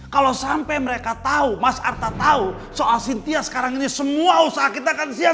kalau sampai mereka tahu mas arta tahu soal cynthia sekarang ini semua usaha kita akan siap